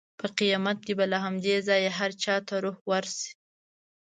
په قیامت کې به له همدې ځایه هر چا ته روح ورشي.